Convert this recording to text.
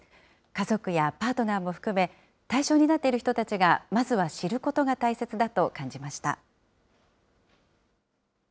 家族やパートナーも含め、対象になっている人たちが、まずは知ることが大切だと感じました。